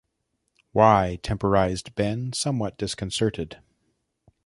"Why —" temporized Ben, somewhat disconcerted.